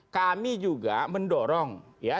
kami juga mendorong